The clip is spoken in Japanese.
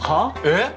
えっ？